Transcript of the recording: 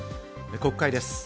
国会です。